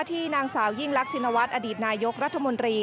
ที่นางสาวยิ่งรักชินวัฒน์อดีตนายกรัฐมนตรี